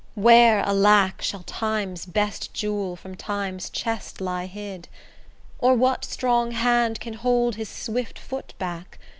where, alack, Shall Time's best jewel from Time's chest lie hid? Or what strong hand can hold his swift foot back?